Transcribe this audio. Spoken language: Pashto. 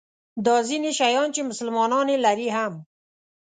دا ځیني شیان چې مسلمانان یې لري هم.